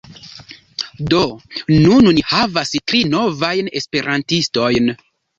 Do nun ni havas tri novajn esperantistojn.